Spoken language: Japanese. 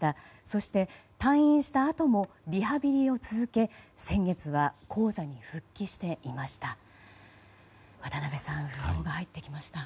そして、退院したあともリハビリを続け先月は高座に復帰していました。